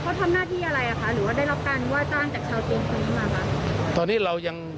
เขาทำหน้าที่อะไรหรือว่าได้รับการว่าจ้างจากชาวเจียงคืนนี้มาบ้าง